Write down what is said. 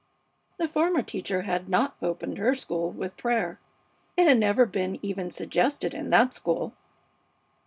The former teacher had not opened her school with prayer. It had never been even suggested in that school.